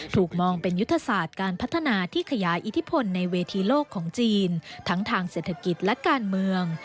ถูกมองเป็นยุทธศาสตร์การพัฒนาที่ขยายอิทธิพลในเวทีโลกของจีนทั้งทางเศรษฐกิจและการเมือง